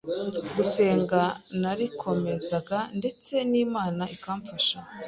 gusenga narikomezaga ndetse n’Imana ikamfasha